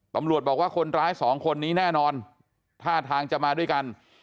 ตำรวจบอกว่าคนร้ายสองคนนี้แน่นอนท่าทางจะมาด้วยกัน